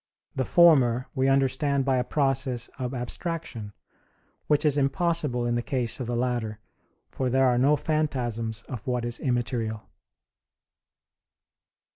The former we understand by a process of abstraction, which is impossible in the case of the latter, for there are no phantasms of what is immaterial.